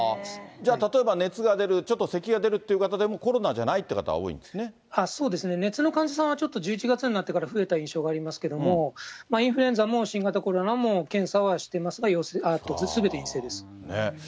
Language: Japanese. じゃあ、例えば熱が出る、ちょっとせきが出るって方もコロナじゃないという方が多いんですそうですね、熱の患者さんはちょっと１１月になってから増えた印象がありますけれども、インフルエンザも新型コロナも検査はしてますが、すべて陰性です。